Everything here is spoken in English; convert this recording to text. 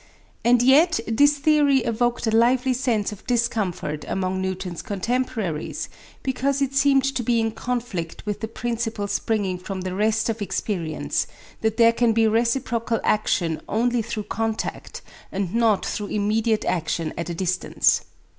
And yet this theory evoked a lively sense of discomfort among Newton's contemporaries, because it seemed to be in conflict with the principle springing from the rest of experience, that there can be reciprocal action only through contact, and not through immediate action at a distance.